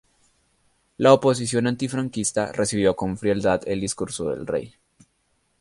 La oposición antifranquista recibió con frialdad el discurso del rey.